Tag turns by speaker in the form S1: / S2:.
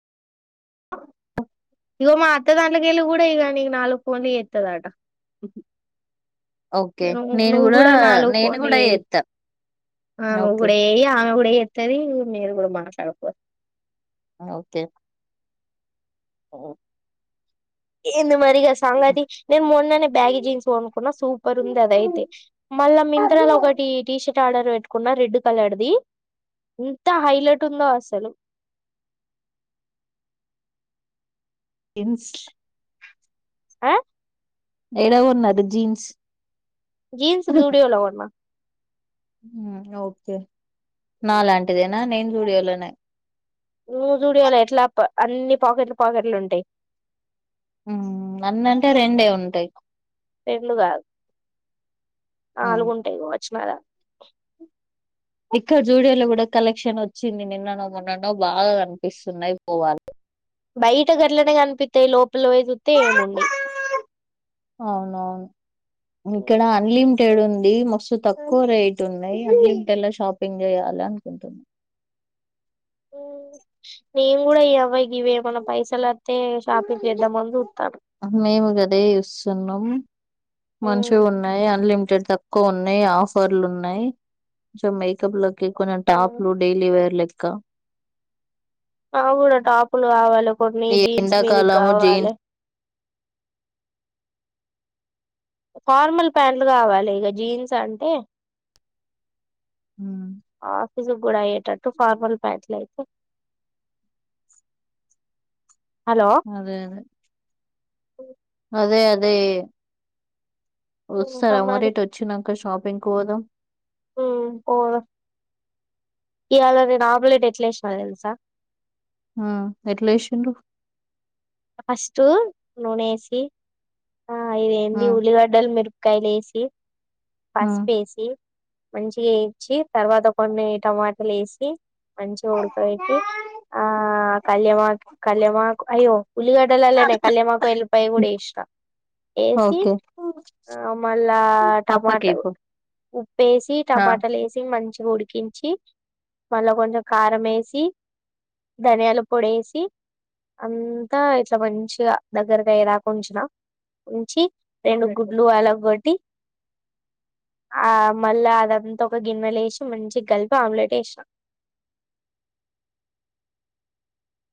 S1: ఇగ మా అత్త దాంట్లకెళ్లి కూడా ఇగ నీక్ నాలుకు ఫోన్లు చెత్తదాట.
S2: ఓకే.
S1: నువ్
S2: నేను
S1: నువ్వు
S2: గూడా
S1: గూడ నాలుగు
S2: నేను
S1: ఫోన్లు
S2: గూడా
S1: ఏయ్.
S2: జేత్తా.
S1: ఆ
S2: ఓకే.
S1: నువ్వుగూడజేయ్ ఆమెగూడా చెత్తది మీరు కూడా మాట్లాడుకో
S2: ఆ ఓకే.
S1: ఏ ది మరిగా సంగతి నేన్ మొన్ననే బ్యాగీ జీన్స్ గొనుకున్నా సూపర్ ఉంది అదైతే మళ్ళా మిం త్రలో ఒకటి టీషర్ట్ ఆర్డర్ పెట్టుకున్న రెడ్ కలర్ ది ఎంత హైలైట్ ఉందో అసలు.
S2: ఇన్స్
S1: అ
S2: ఎడా కొన్నారు జీన్స్
S1: జీన్స్ జూడియోలో కొన్న
S2: హ్మ్ ఓకే నాలాంటిదేనా నేను జూడియోలోనే
S1: హ్మ్ జూడియోలో ఎట్లాప్ అన్ని పాకెట్లు పాకెట్లు ఉంటాయి
S2: హ్మ్ అన్నంటే రెండే ఉంటాయి
S1: రెండు కాదు
S2: హ్మ్.
S1: నాలుగు ఉంటాయి కావచ్చుమే ఆడ
S2: క్క జూడియోలో కూడా కలెక్షన్ వచ్చింది నిన్ననో మొన్ననో బాగా కనిపిస్తున్నాయి పోవాలి
S1: బయట గట్లనే కనిపిత్తాయి లోపల పోయిచూత్తే ఏముండయి
S2: అవునవును ఇక్కడ అన్లిమ్ టేడు ఉంది మస్తు తక్కువ రేట్ ఉన్నాయి అన్లిమిటెడ్ లో షాపింగ్ చేయాలి అనుకుంటున్నా
S1: నేను కూడా ఇగ ఇవేమన పైసలు
S2: మేము గదే చూసున్నాం మంచిగున్నయ్ అన్లిమ్ టేడ్ తక్కువున్నాయ్ ఆఫర్లు ఉన్నాయ్ సో మేకప్ లో కి కొనే టాపులు డైలీ వేర్ లెక్క
S1: మాకూడా టాపులు కావాలి కొన్ని
S2: ఈ
S1: జీన్స్ మీదికి
S2: ఎండాకాలము
S1: కావాలే
S2: జీన్స్
S1: ఫార్మల్ ప్యాంట్లు కావాలి ఇగా జీన్స్ అంటే
S2: ఉమ్,
S1: ఆఫీసుకు కూడా అయ్యేటట్టు ఫార్మల్ ప్యాంట్లు అయితే హలో
S2: అదే అదే
S1: [inaudible]
S2: అదే అదే ఒస్తార మరి ఇటు వచ్చినంక షా పింగ్‌కి పోదాం
S1: హ్మ్ పోదాం ఇయాల నేను ఆమ్లెట్ ఎట్లేసిన తెలుసా
S2: హ్మ్ ఎట్లేసిండ్రు
S1: ఫస్ట్ నూనె వేసి ఆ ఇదేంది ఉల్లిగడ్డలు మెరుప కాయలు వేసి పసుపుఏసి మంచిగా వేయించి తర్వాత కొన్ని టమాటాలు వేసి మంచి ఉడకబెట్టి ఆ కళ్యామా కళ్యామాకు అయ్యో ఉల్లిగడ్డ లనే కళ్యామాకు ఎల్లిపాయ కూడా వేసిన వేసి
S2: ఓకే
S1: ఆ మళ్ళా టమాట
S2: పప్పకి ఇపు
S1: ఉప్పేసి టమాటాలు వేసి మంచిగా ఉడికించి మళ్ళా కొంచం కారం వేసి ధనియాల పొడి వేసి అంతా ఇట్లా మంచిగా దగ్గరకయ్యేదాకా ఉంచిన ఉంచి రెండు గుడ్లు వలగొట్టి ఆ మళ్ళా అదంతా ఒక గిన్నెల వేసి మంచిగా కలిపి ఆమ్లెట్ వేసిన